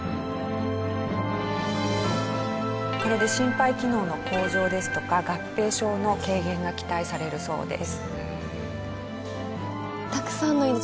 これで心肺機能の向上ですとか合併症の軽減が期待されるそうです。